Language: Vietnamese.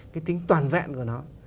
cái tính toàn vẹn của nó